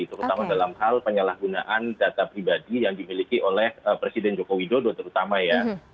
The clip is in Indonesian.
terutama dalam hal penyalahgunaan data pribadi yang dimiliki oleh presiden joko widodo terutama ya